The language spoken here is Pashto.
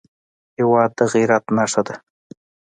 هېواد د غیرت نښه ده.